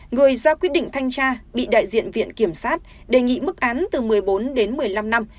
người ra quyết định thanh tra bị đại diện viện kiểm sát đề nghị mức án từ một mươi bốn đến một mươi năm năm